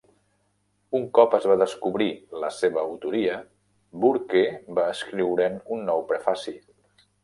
Un cop es va descobrir la seva autoria, Burke va escriure'n un nou prefaci.